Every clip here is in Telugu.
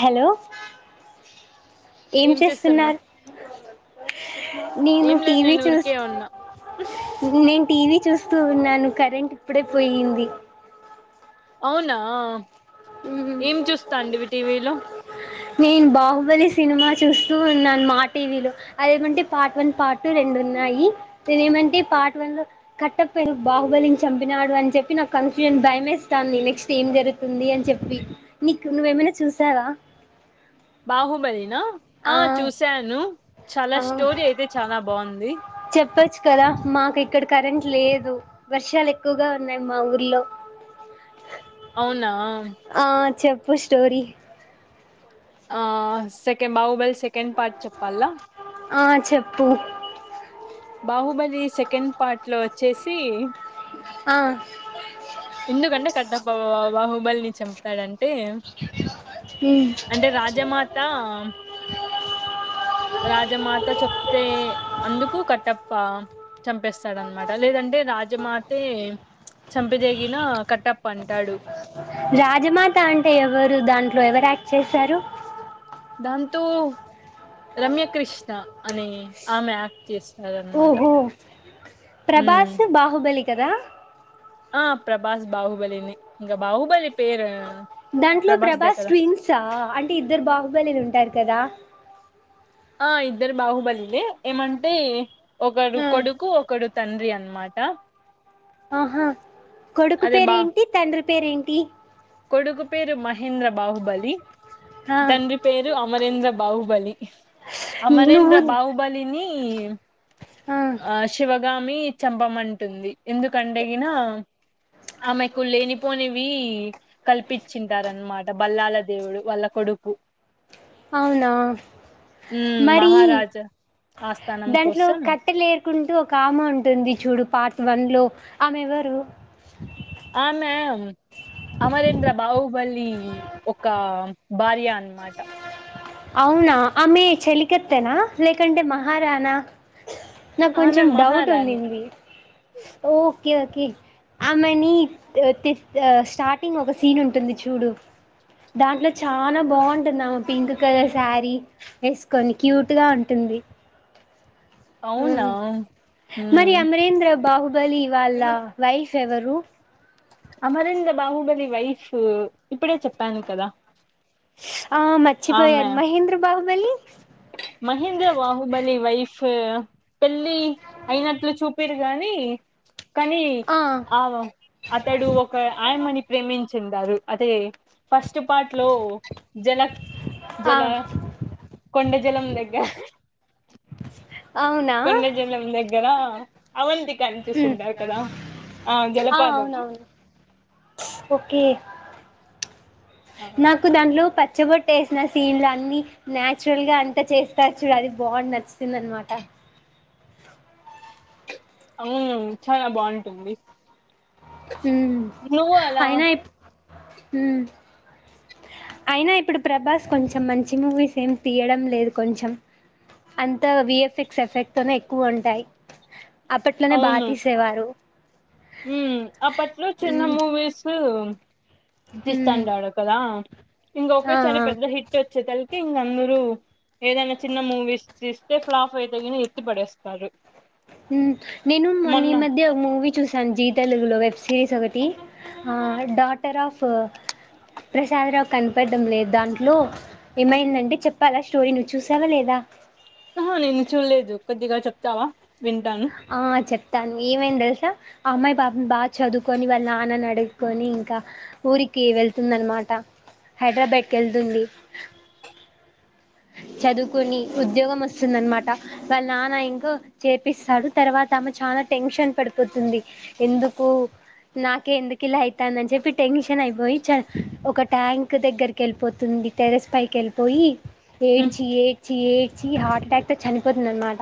హలో ఏం చేస్తున్నారు నేను ఏం లేదు టీవీ నేను ఊరికే చూస్తూ ఉన్నా నేను టీవీ చూస్ తూ ఉన్నాను కరెంట్ ఇప్పుడే పోయింది అవునా ఏం చూస్తాంటివి టీవీలో నేన్ బాహుబలి సి సినిమా చూస్తూ ఉన్నాను మా టీవీలో అదేమంటే పార్ట్ వన్ పార్ట్ రెండు ఉన్నాయి నేను ఏమంటే పార్ట్ వన్ లో కట్టప్ప ను బాహుబలిని చంపినాడు అని చెప్పి నాకు కన్ఫ్యూజన్ భయమేస్తాంది నెక్స్ట్ ఏం జరుగుతుంది అని చెప్పి మీకు నువ్వేమైనా చూసావా బాహుబలి నా ఆ చూశాను చాలా ఆ స్టోరీ అయితే చాలా బాగుంది చెప్పచ్చు కదా మాకు ఇక్కడ కరెంట్ లేదు వర్షాలు ఎక్కువగా ఉన్నాయి మా ఊర్లో అవునా ఆ చెప్ ప్పు స్టోరి ఆ సెకండ్ బాహుబలి సెకండ్ పార్ట్ చెప్పాల్ల ఆ చెప్పు బాహుబలి సెకండ్ పార్ట్లో వచ్చేసి అ ఎందుగంటే గట్టప్ప బ బబహుబల్ని చం తడన్ అంటే ఉమ్ అంటే రాజమాత రాజమాత చెప్తే అందుకు కట్టప్ప చంపేస్తాడన్మాట లేదంటే రాజమాతే చంపిదే గిన కట్టప్ప అంటాడు రాజమాత అంటే ఎవరు దాంట్లో ఎవరు యాక్ట్ చేశారు తూ రమ్యకృష్ణ అనే ఆమె చేస్తారనమాట ఓహో ఉమ్ ప్రభాస్ బాహుబలి కదా ఆ ప్రభాస్ బాహుబలిని ఇంక బాహుబలి పేరు దాంట్లో దే ప్రభాస్ కదా ట్విన్సా అంటే ఇద్దరు బాహుబలిలు ఉంటారు కదా ఆ ఇద్దరు బాహుబలిలే ఏమంటే ఒకడు ఆ కొడుకు ఒకడు తండ్రి అన మాట ఆహా కొడుకు అదే పేరు బా ఏంటి తండ్రి పేరేంటి కొడుకు పేరు మహేంద్ర బాహుబలి ఆ తండ్రి పేరు అమరేంద్ర బాహుబలి అమరేంద్ర నువ్వు బాహుబలిని ఈ ఆ శివ గామి చంపమంటుంది ఎందుకంటే గిన ఆమెకు లేనిపోనివి కల్పించింటారనమాట బల్లాల దేవుడు వాల్ల కొడుకు అవునా ఉమ్ మరి మహారాజా ఆస్థానం దాంట్లో కోసం కట్టెలేరుకుంటూ ఒక ఆమె ఉంటుంది చూడు పార్ట్ వన్లో ఆమెవరు ఆమె అమరేంద్ర బాహుబలి ఒక భార్య అన్నమాట అవునా ఆమె చలికత్తెనా లేకంటే మహారాణ ఆమె నాకొంచెం డౌట్ మహారాణి ఉన్నింది ఓకే ఓకే ఆమెని స్టార్టింగ్ ఒక సీన్ ఉంటుంది చూడు దాంట్లో చాలా బాగుంటుంది ఆమె పింక్ కలర్ శారీ వేసుకొని క్యూట్ గా ఉంటుంది అవునా ఉమ్ మరి ఉమ్ అమరేంద్ర బాహు బలి వాళ్ళ వైఫ్ చెవరు అమరింద బాహుబలి వైఫ్ ఇప్పుడే చెప్పాను కదా ఆ ఆమె మర్చిపోయాను మహేంద్ర బాహుబలి మహేంద్ర బాహుబలి వైఫ్ పెళ్ళి అయినట్లు చూపిరు గాని కానీ ఆ అతడు ఒక ఆయమ్మని ప్రేమించ చెందారు అదే ఫస్ట్ పార్ట్ లో జ ఆ జల కొండ జలం దగ్గర అవునా కొండ జలం దగ్గర అవంతి కని ఉమ్. చూసింటారు కదా ఆ జలపాతం ఓకే నాకు దాంట్లో ప చ్చ బొట్టేసిన సీన్లు అన్ని నాచురల్ గా అంత చేస్తారు చూడు అది బాగు నచ్చుతుంది అనమాట అవును చానా బాంటుంది హ్మ్ అయినా అయినా ఇప్పుడు ప్రభాస్ కొంచెం మంచి మూవీస్ ఏమి తీయడం లేదు కొంచెం అంత విఎఫ్ఎక్స్ ఎఫెక్ట్ తోనే ఎక్కువ ఉంటాయి అప్పట్లోనే బా తీసేవారు హ్మ్ అప్పట్లో చిన్న ఉమ్ మూవీసు తోం ఉమ్ దిస్తాండాడు కదా ఇంకొక ఆ సారి ఆ పెద్ద హిట్ వచ్చే తల్ ఇంగ అందరూ ఏదైనా చిన్న మూవీస్ తీస్తే ఫ్లాఫ అయితే గీనా ఎత్తి పడేస్తారు నేను నీ మొన్న మధ్య మూవీ చూసి సం జీ తెలుగులో వెబ్ సిరీస్ ఒకటి డాటర్ ఆఫ్ అ కనపడ్డం లేదు దాంట్లో ఏమైందంటే చెప్పాలా స్టోరీ నువ్వు చూసావా లేదా ఆహా నేను చూల్లేదు కొద్దిగా చెప్తావా వింటాను ఆ చెప్తాను ఏమైంది తెలుసా అమ్మాయి బాపుని బ చదువుకొని వాళ్ళ నాన్నని అడి కొని ఇంకా ఊరికి వెళ్తుంది అనమాట హైదరాబాద్కి వెళ్తుంది చదువుకుొని ఉద్యోగం వస్తుంది అనమాట వాళ్ళ నాన్న ఇంకో చేపిస్తాడు తర్వాత అమ్మె చాలా టెన్షన్ పడిపోతుంది ఎందుకు నాకే ఎందుకు ఇలా అవుతుందిని చెప్పి టెన్షన్ అయిపోయి చ ఒక ట్యాంక్ దగ్గరికి వెళ్ళిపోతుంది టెరెస్ పైకి వెళ్ళిపోయి ఏడ్చి ఏడ్చి ఏడ్చి హార్ట్ అటాక్ తో చనిపోతుంది అనమాట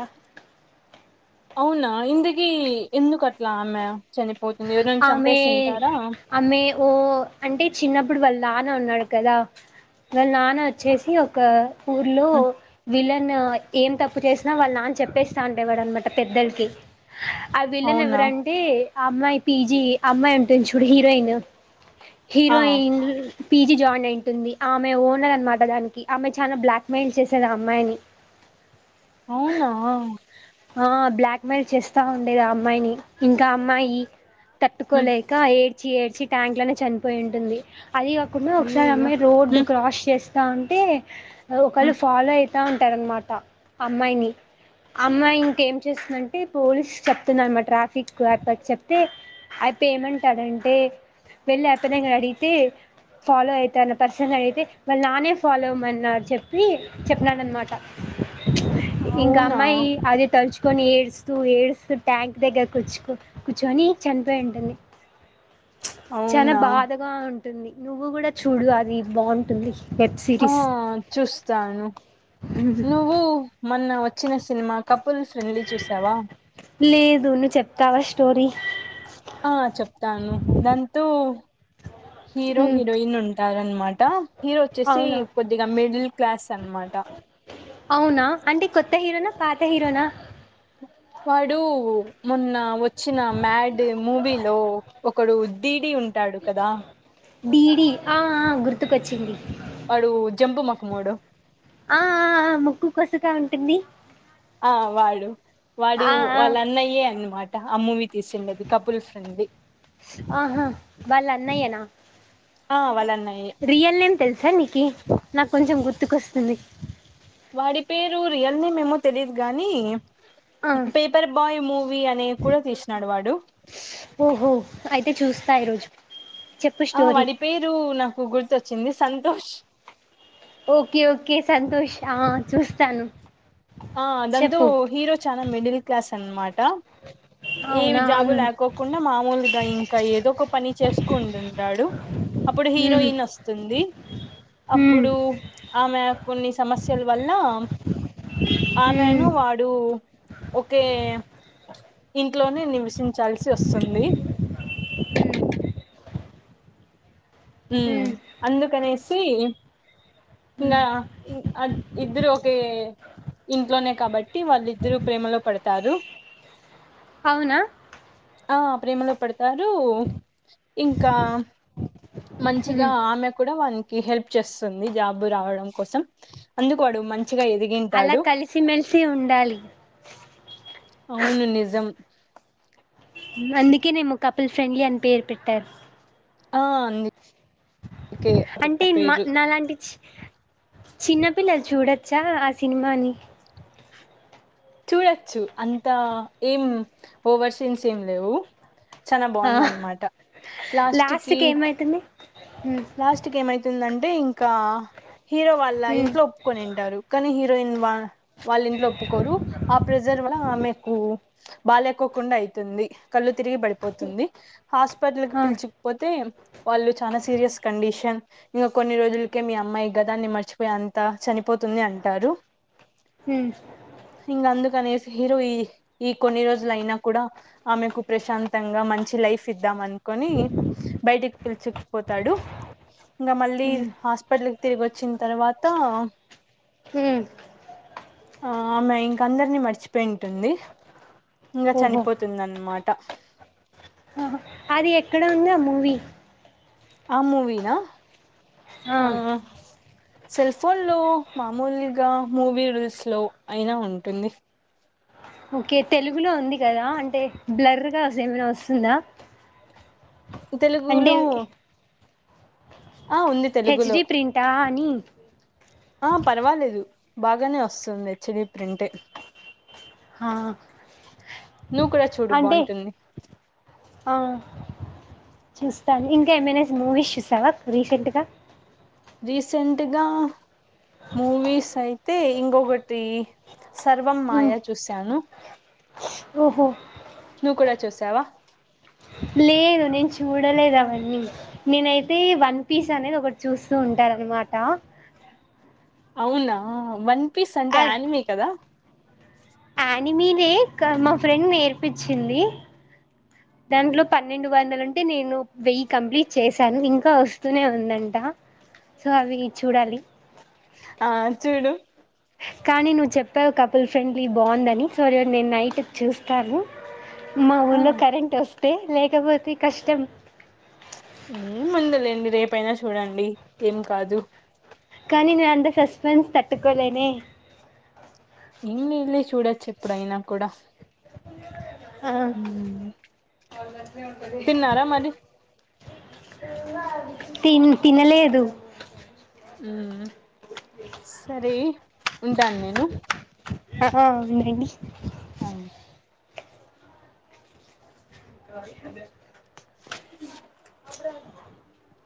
అవునా ఇందకి ఎందు కట్టలా ఆమె చనిపోతుంది ఎవరైనా ఆమె చంపేసింటారా అమె ఓ అంటే చిన్నప్పుడు వాళ్ళ నాన్న ఉన్నాడు కదా వాళ్ళ నాన్న వచ్చేసి ఒక ఊర్లో విలన్ ఏం తప్పు చేసినా వాళ్ళ నాన్న చెప్పేస్తా అంటేవాడు అనమాట పెద్దలకి ఆ విలన్ అవునా ఎవరంటే ఆ అమ్మాయి పీజీ అమ్మాయి ఉంటుంది చూడు హీరోయిన్ ఆ హీరోయిన్ పీజీ జాయిన్ అయింటుంది ఆమె ఓనర్ అనమాట దానికి ఆమె చాలా బ్లాక్ మెయిల్ చేసారు ఆ అమ్మాయిని అవునా ఆ బ్లాక్ మెయిల్ చేస్తా ఉండేది ఆ అమ్మాయిని ఇంకా అమ్మాయి ఈ తట్టుకోలేక ఏ ఏడ్చి ఏడ్చి ట్యాంక్ లోనే చనిపోయి ఉంటుంది అది కాకుండా ఒకసారి అయ్యయ్యో అమ్మాయి రోడ్డు క్రాస్ చేస్తా చ అంటే ఒకల్లు ఫాలో అయి తా ఉంటారనమాట అమ్మాయిని అమ్మాయి ఇంకేం చేస్తుందంటే పోలీస్ చెప్తున్ననమాట ట్రాఫిక్ ఏర్పాటు చెప్ అయితే అయప్పా ఏమంటాడంటే వెళ్ళి అతన్ని అడిగితే ఫాలో అవుతన్న పర్సన్ అడిగితే వాళ్ళు నానే ఫాలో అవ్వమన్నారు చెప్పి చెప్పినాడు అనమాట ఇంగ అవునా అమ్మాయి అదే తరిచు కొని ఏడుస్తూ ఏడుస్తూ ట్యాంక్ దగ్గర కూర్చుకో కూర్చొని చనిపోయి ఉంటుంది చాలా అవునా బాధగా ఉంటు ది నువ్వు కూడా చూడు అది బాగుంటుంది వెబ్ ఆ సిరీస్ చూస్తాను నువ్వు మన్న వచ్చిన సినిమా క ఫుల్ ఫ్రెండ్లీ చూసావా లేదు నువ్వు చెప్తావ ఆ చెప్తాను దాంతో హీరో ఉమ్, హీరోయిన్ ఉంటారన్నమాట హరో వచ్చేసి అవునా కొద్దిగా మిడిల్ క్లాస్ అనమాట అవునా అంటే కొత్త హీరోనా పాత హీరోనా వాడు మొన్న వచ్చిన మ్యాడ్ మూవీలో ఒకడు దీడి ఉంటి ఉంటాడు కదా బీడీ ఆ గుర్తుకొచ్చింది వాడు జంబు మోహమెడు ఆ ఆ ఆ ముక్కు కొసగా ఉంటుంది ఆ వాడు వాడు ఆ ఆ, వాళ్ళు అన్నయే అన్నమాట అమ్మ వి ఆహా వాళ్ళ అన్నయ్యనా ఆ వాళ్ళ అన్నయ్యే రియల్ నేమ్ తెలుసా నీకు నాకు కొంచెం గుర్తుకొ వస్తుంది వాడి పేరు రియల్ని మేమో తెలీయదు గాని ఆ పేపర్ బాయ్ మూవీ అనే కూడా తీసినాడు వాడు ఓహో అయితే చూస్తా ఈరోజు చెప్పు ఆ స్టోరీ వాడి పేరు నాకు గుర్తొచ్చింది సంతోష్ ఓకే ఓకే సంతోష్ ఆ చూస్తాను ఆ అదందు చెప్పు హీరో చనాా మిడిల్ క్లాస్ తన్మాట అ ఏ జాబు లేకోకుండా మామూలుగా ఇంకా ఏదో ఒక పని చేసుకుంటుంటాడు అప్పుడు ఉమ్ హీరోయిన్ వస్తుంది అప్పుడు ఆమె కొన్ని సమస్యల వల్ల ఉమ్ ఉమ్ ఆమెను వాడు ఒకే ఇంట్లోనే నివసించాల్సి వస్తుంది ఉ ఉమ్ అందు కొనేసి ఇ ఇంకా ఉమ్ అది ఇద్దరు ఒకే ఇంట్లోనే కాబట్టి వాళ్ళిద్దర ప్రేమలో పడతారు అవునా ఆ ప్రేమలో పెడతారు ఇంకా మంచిగా ఉమ్ ఆమె కూడా వా హెల్ప్ చేస్తుంది జాబ రావడం కోసం అందుకు వాడు మంచి అలా కలిసిమెెలిసి ఉండాలి అవును నిజం అందుకే నేము కపిల్ ఫ్రెండ్లీ అని పేరు పెట్టారు ఆ పెట్ట అంటే మా పేరు నాాలాంటి చిన్నపిల్లలు చూడొచ్చు చ ఆ సినిమాని చూడచ్చు అంత ఏం ఓవర్ సీన్స్ ఏం లేవు చాల ఆ బాగుంద అనమాట లాస్ట్ కి లాస్ట్కి ఏమైతుంది ఉమ్ లాస్ట్ కి ఏమైతుందంటే అంటే ఇంకా హీరో వాళ్ళ ఉమ్ ఇంట్లో ఒప్పుకొని ఉంటారు కానీ హీరో రైన్ బా వాళ్ళ ఇంట్లో ఒప్పుకోరు ఆ ప్రెజర్ వలన ఆమెకు బాలేకోకుండా అయితుంది కళ్ళు తిరిగి పడిపోతుంది హాస్పిటల్ కి ఆ పిలిచిపోతే వాళ్ళు చాలా సీరియస్ కండిషన్ ఇంకా కొన్ని రోజులకే మీ అమ్మాయి గదాన్ని మర్చిపోయి అంతా చనిపోతుంది అంటారు ఉమ్ ఇంక అందుకనేసి హీరో ఈ ఈ కొన్ని రోజులు అయినా కూడా ఆమెకు ప్రశాంతంగా మంచి లైఫ్ ఇద్దాం అనుకోని బయటికి పిలుచుకుపోతాడు ఇంకా మళ్ళీ ఉమ్ హాస్పిటల్ కి తిరిగి వచ్చిన తర్వాత అత్తా హ ఆ అమా ఇంక అందరినీ మర్చిపోయి ఉంటుంది ఇంకా ఓహో చనిపోతుంద అన్నమాట అట్ట ఆహా అది ఎక్కడ ఉన్న ఆ మూవీ ఆ మూవీనా ఆ సెల్ ఫోన్ లో మామూలుగా మూవీ రూల్స్ లో అయినా ఉంటుంది ఓకే తెలుగులో ఉంది కదా అంటే బ్లరగా ఏమైనా వస్తుందా తెలుగులో ఆ ఉంది హెచ్ తెలుగులో డి ప్రింట్ ఆ ని ఆ పర్వాలేదు బాగానే వస్తుంది చిడి ప్రింట్ ఆ నువ్వు కూడా చూడు అంటే బాగుంటుంది ఆ చూస్తాను ఇంకా ఏమైనా మూవీస్ చూసావా రీసెంట్గా రీసెంట్గా మూవీస్ అయితే ఇంకొకటి సర్వం హ్మ్. మాయా చూశాను ఓహో నువ్వు కూడా చూసావా లేదు నేను చూడలేదు అవన్నీ నేనైతే వన్ పీస్ అనేది ఒకటి చూస్తూ ఉంటారు అనమాట అవునా బంత్ పీస్ అంటే ఆనిమీ కదా ఆనిమీనే మా ఫ్రెండ్ నేర్పించింది. దాంట్లో పన్నెండు వందలుంటే నేను వెయ్యి కంప్లీట్ చేశాను. ఇంకా వస్తూనే ఉందంట సో అవి చూడాలి. ఆ చూడు కానీ నువ్వు చెప్పావు. కపుల్ ఫ్రెండ్లీ బాగుందని సో నేను నైట్ చూస్తాను. మా ఆ ఊర్లో కరెంట్ వస్తు లేకపోతి కష్టం. ముందులేండి. రేపయినా చూడండి. ఏం కాదు కానీ నేను అంత సస్పెన్స్ తట్టుకోలేనే ఇం నీళ్ళ చూడొచ్చు ఎప్పుడు అయినా కూడా అ హ అవు తిన్నారా మరి తిన్ తినలేదు. సరే ఉంటాను. నేను ఆ అవునండి అ అదే అప్పుర